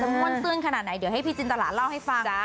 ม่วนตื้นขนาดไหนเดี๋ยวให้พี่จินตราเล่าให้ฟังจ๊ะ